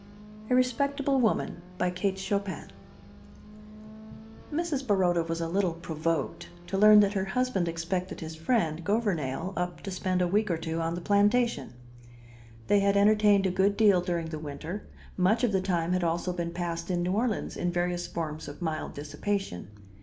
A RESPECTABLE WOMAN Mrs. Baroda was a little provoked to learn that her husband expected his friend, Gouvernail, up to spend a week or two on the plantation. They had entertained a good deal during the winter; much of the time had also been passed in New Orleans in various forms of mild dissipation.